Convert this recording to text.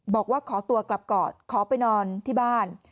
บอกว่าขอตัวกลับก่อนขอไปนอนที่บ้าน